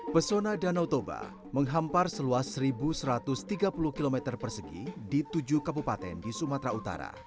pesona danau toba menghampar seluas satu satu ratus tiga puluh km persegi di tujuh kabupaten di sumatera utara